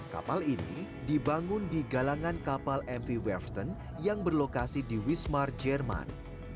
kapal ini dibangun di galangan kapal mv werften yang berlokasi di wismar jerman